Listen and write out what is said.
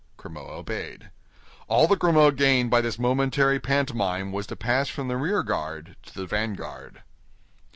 Grimaud obeyed. All that Grimaud gained by this momentary pantomime was to pass from the rear guard to the vanguard.